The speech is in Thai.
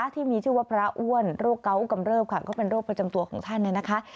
ที่มีชื่อว่าพระอ้วนโรคเกาะกำเริบค่ะก็เป็นโรคประจำตัวของท่านเนี่ยนะคะ